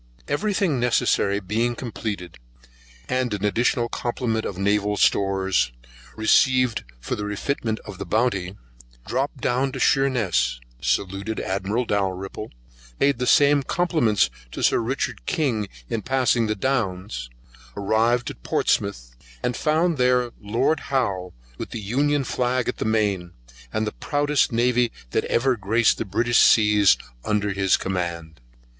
Every thing necessary being completed, and an additional complement of naval stores, received for the refitment of the Bounty; dropped down to Sheerness, saluted Admiral Dalrymple, payed the same compliments to Sir Richard King, in passing the Downs, arrived at Portsmouth, and found there Lord Howe with the Union Flag at the main, and the proudest navy that ever graced the British seas under his command.